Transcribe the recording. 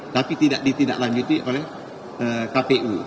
tapi tidak ditindaklanjuti oleh kpu